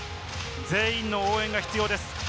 全員の応援が必要です。